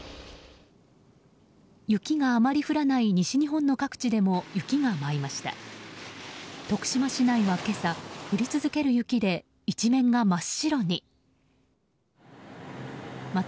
雪があまり降らない西日本の各地でも雪が舞いました。